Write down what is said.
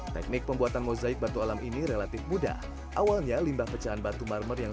teknik pembuatan mozaik batu alam ini relatif mudah awalnya limbah pecahan batu marmer yang